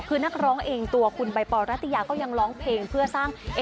คือนักร้องเองตัวคุณใบปอลรัตยาก็ยังร้องเพลงเพื่อสร้าง